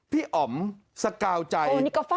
พี่อ๋อมสกาวใจ